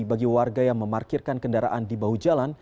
bagi warga yang memarkirkan kendaraan di bahu jalan